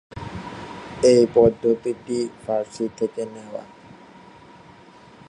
এই পদ্ধতিটি ফার্সি থেকে নেয়া।